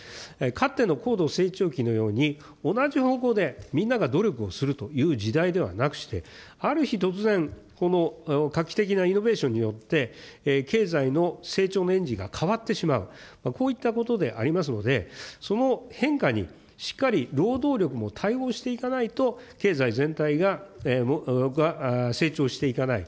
かっての高度成長期のように、同じ方向でみんなが努力をするという時代ではなくして、ある日突然、画期的なイノベーションによって、経済の成長のエンジンが変わってしまう、こういったことでありますので、その変化にしっかり労働力も対応していかないと、経済全体が成長していかない。